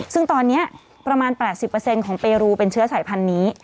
ซึ่งตอนนี้ประมาณ๘๐ของเปรูเป็นเชื้อสายพันธุ์นี้